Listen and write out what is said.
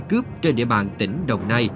cướp trên địa bàn tỉnh đồng nay